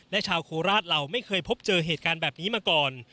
และชาวโคราชเราไม่เคยพบเจอเหตุการณ์แบบนี้มาก่อน